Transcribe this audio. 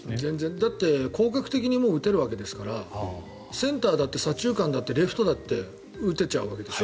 だって広角的に打てるわけですからセンターだって左中間だってレフトだって打てちゃうわけでしょ。